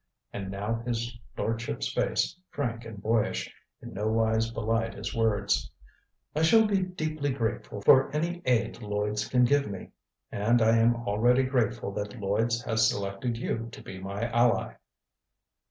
And now his lordship's face, frank and boyish, in nowise belied his words. "I shall be deeply grateful for any aid Lloyds can give me. And I am already grateful that Lloyds has selected you to be my ally."